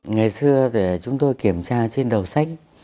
ngày xưa chúng tôi kiểm tra trên đầu sách